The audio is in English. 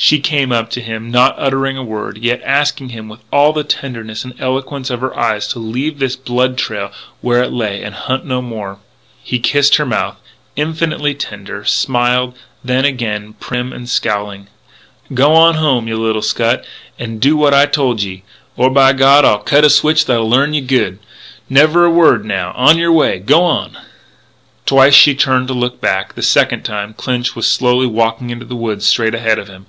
She came up to him, not uttering a word, yet asking him with all the tenderness and eloquence of her eyes to leave this blood trail where it lay and hunt no more. He kissed her mouth, infinitely tender, smiled; then, again prim and scowling: "G'wan home, you little scut, an' do what I told ye, or, by God, I'll cut a switch that'll learn ye good! Never a word, now! On yer way! G'wan!" Twice she turned to look back. The second time, Clinch was slowly walking into the woods straight ahead of him.